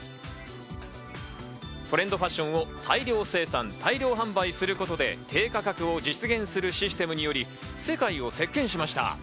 トレンドファッションを大量生産、大量販売することで低価格を実現するシステムにより世界を席巻しました。